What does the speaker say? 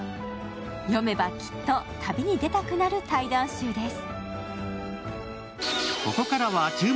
読めばきっと旅に出たくなる対談集です。